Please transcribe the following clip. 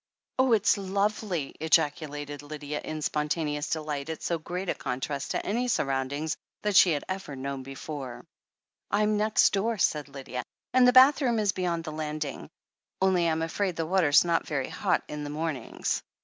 "Oh, it's lovely!" ejaculated Lydia in spontaneous delight at so great a contrast to any surrotmdings that she had ever known before. "I'm next door," said Nathalie, "and the bathroom is beyond the landing — only Tm afraid the water's not very hot in the mornings.